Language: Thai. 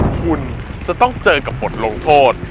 คุณจะต้องเจอกับบทลงโทษ